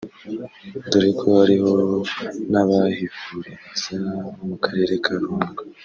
dore ko hariho n’abahivuriza bo mu Karere ka Ruhango